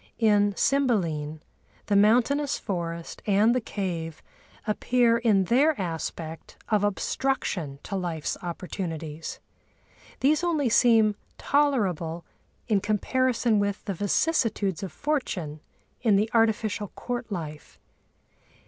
In Cymbeline the mountainous forest and the cave appear in their aspect of obstruction to life's opportunities. These only seem tolerable in comparison with the vicissitudes of fortune in the artificial court life.